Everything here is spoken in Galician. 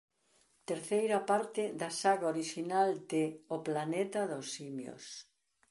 Terceira parte da saga orixinal de "O planeta dos simios".